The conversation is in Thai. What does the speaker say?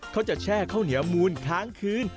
แช่ข้าวเหนียวมูลค้างคืน